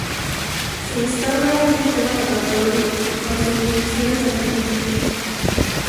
Se instaura un sistema rotatorio con subdivisiones de entrenamiento.